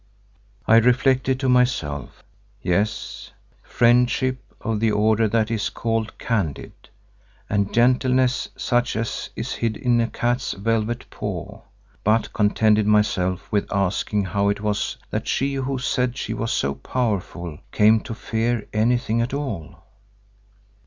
I reflected to myself—yes, friendship of the order that is called candid, and gentleness such as is hid in a cat's velvet paw, but contented myself with asking how it was that she who said she was so powerful, came to fear anything at all.